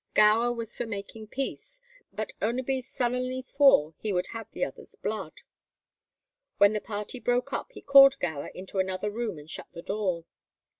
Gower was for making peace, but Oneby sullenly swore he would have the other's blood. When the party broke up he called Gower into another room and shut the door.